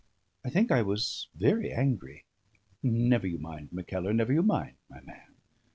I think I was very angry. Never you mind, Mackellar; never you mind, my man.